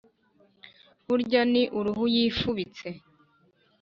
Burya ni uruhu yifubise.